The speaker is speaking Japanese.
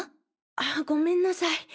あごめんなさい。